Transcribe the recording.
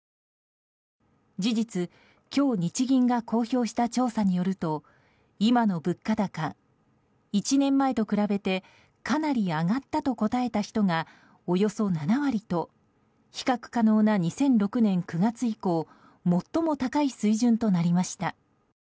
事実、今日日銀が公表した調査によると今の物価高、１年前と比べてかなり上がったと答えた人がおよそ７割と比較可能な２００６年９月以降最も高い水準となりました。